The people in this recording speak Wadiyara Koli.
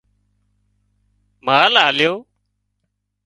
مال آليو